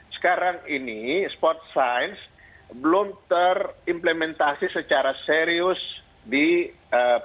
sekarang ini sport science belum terimplementasi secara serius di pemerintah